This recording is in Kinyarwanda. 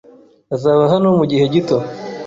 Azaba hano mugihe gito.